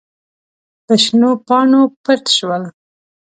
په شنو پاڼو پټ شول.